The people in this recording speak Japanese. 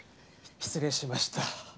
失礼しました。